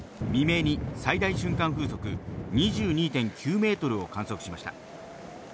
未明に最大瞬間風速２２．９メートルを観測しました。